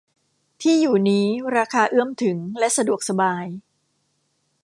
ที่อยู่นี้ราคาเอื้อมถึงและสะดวกสบาย